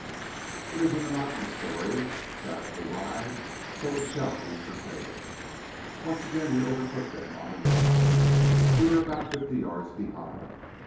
It is a monotonous story, that of the ride; so it shall be curtailed. Once again we overtook them on a road. We were about fifty yards behind.